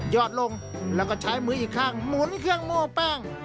อดลงแล้วก็ใช้มืออีกข้างหมุนเครื่องโม้แป้ง